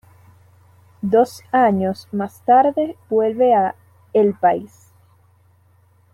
Dos años más tarde vuelve a "El País".